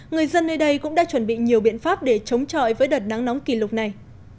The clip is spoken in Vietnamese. người dân nơi đây cũng đã chuẩn bị nhiều biện pháp để chống chọi với đợt nắng nóng kỷ lục này